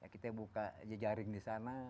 kita buka jejaring di sana